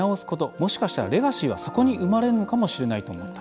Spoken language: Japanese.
もしかしたらレガシーはそこに生まれるのかもしれないと思った」。